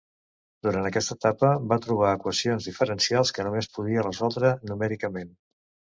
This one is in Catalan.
Durant aquesta etapa va trobar equacions diferencials que només podia resoldre numèricament.